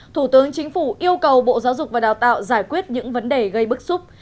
thủ tướng chính phủ yêu cầu bộ giáo dục và đào tạo giải quyết những vấn đề gây bức xúc